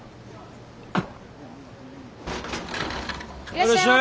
いらっしゃい。